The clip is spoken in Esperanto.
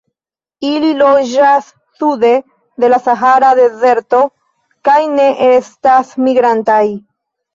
Ili loĝas sude de la Sahara Dezerto kaj ne estas migrantaj.